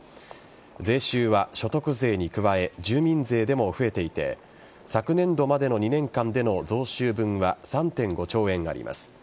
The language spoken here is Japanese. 税収は所得税に加え住民税でも増えていて昨年度までの２年間での増収分は３．５兆円あります。